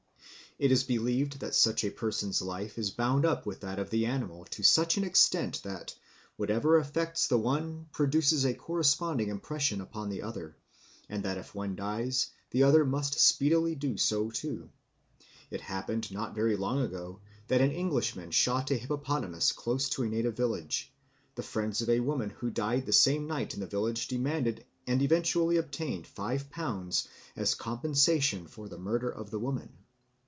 It is believed that such a person's life is bound up with that of the animal to such an extent that, whatever affects the one produces a corresponding impression upon the other, and that if one dies the other must speedily do so too. It happened not very long ago that an Englishman shot a hippopotamus close to a native village; the friends of a woman who died the same night in the village demanded and eventually obtained five pounds as compensation for the murder of the woman."